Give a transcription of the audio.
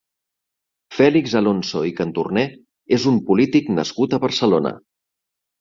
Fèlix Alonso i Cantorné és un polític nascut a Barcelona.